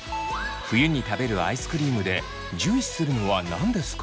冬に食べるアイスクリームで重視するのは何ですか？